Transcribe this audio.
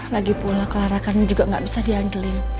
lagipula clara kan juga gak bisa diandalkan